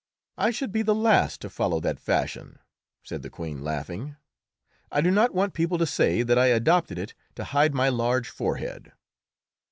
"I should be the last to follow that fashion," said the Queen, laughing; "I do not want people to say that I adopted it to hide my large forehead."